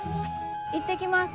行ってきます。